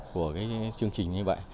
của chương trình như vậy